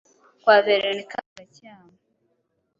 kwa Veronika mu Gacyamo,